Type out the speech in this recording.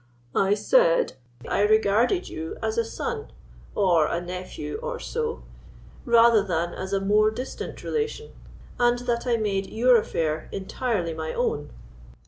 I said I regarded you as a son—or a nephew, or so—rather than as a more distant relation; and that I made your affair entirely my own."